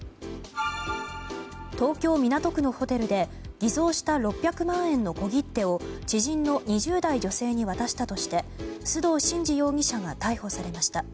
東京・港区のホテルで偽造した６００万円の小切手を知人の２０代女性に渡したとして須藤慎司容疑者が逮捕されました。